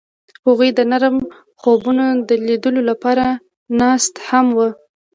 هغوی د نرم خوبونو د لیدلو لپاره ناست هم وو.